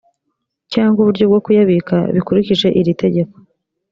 cyangwa uburyo bwo kuyabika bikurikije iri tegeko